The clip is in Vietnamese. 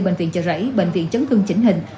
bệnh viện chợ rẫy bệnh viện chấn thương chỉnh hình